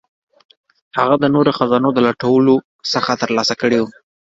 هغه د نورو خزانو د لوټلو څخه ترلاسه کړي وه.